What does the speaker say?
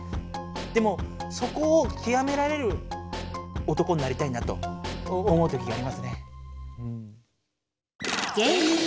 でもそこをきわめられる男になりたいなと思うときがありますね。